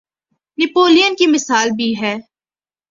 نپولین کی مثال بھی ہے۔